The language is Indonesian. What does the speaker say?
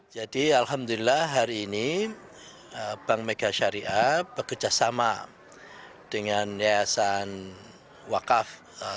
jadi alhamdulillah hari ini bank megasyariah bekerjasama dengan yayasan wakaf satu ratus enam puluh lima